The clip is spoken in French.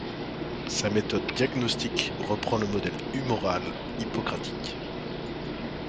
Sa méthode diagnostique reprend le modèle humoral hippocratique.